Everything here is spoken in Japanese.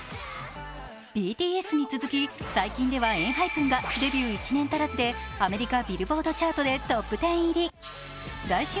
ＢＴＳに続き、最近ではＥＮＨＹＰＥＮがデビュー１年足らずでアメリカ・ビルボードチャートでトップ１０入り。